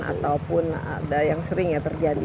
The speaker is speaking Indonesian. ataupun ada yang sering ya terjadi